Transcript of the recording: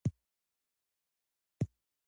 پېرېدونکي مخکې نوم لیکي.